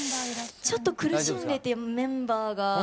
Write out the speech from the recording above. ちょっと苦しんでてメンバーが。